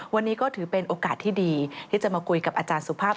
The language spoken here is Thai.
วันนี้ก็ถือเป็นโอกาสที่ดีที่จะมาคุยกับอาจารย์สุภาพ